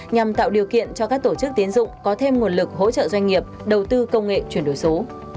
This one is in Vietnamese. nhằm tạo điều kiện cho các tổ chức tiến dụng có thêm nguồn lực hỗ trợ doanh nghiệp đầu tư công nghệ chuyển đổi số